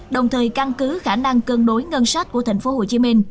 đồng thời căn cứ khả năng cân đối ngân sách của tp hcm